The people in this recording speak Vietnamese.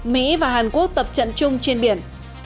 mỹ và hàn quốc tập trận chung trên biển